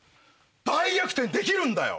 大逆転できるんだよ！